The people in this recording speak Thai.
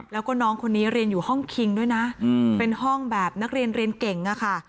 แล้วก็น้องคนนี้เรียนอยู่ห้องคิงด้วยนะเป็นห้องแบบนักเรียนเรียนเก่งอะค่ะ